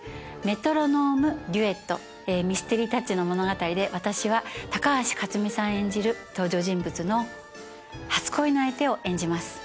ミステリータッチの物語で私は高橋克実さん演じる登場人物の初恋の相手を演じます。